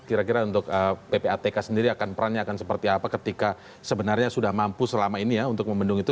kira kira untuk ppatk sendiri akan perannya akan seperti apa ketika sebenarnya sudah mampu selama ini ya untuk membendung itu